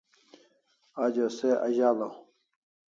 Ajo se azalaw